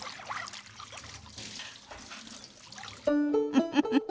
ウフフフ。